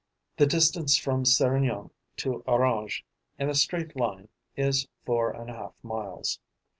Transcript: The distance from Serignan to Orange, in a straight line, is four and a half miles.